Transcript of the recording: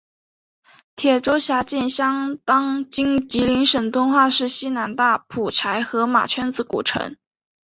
铁州辖境相当今吉林省敦化市西南大蒲柴河马圈子古城。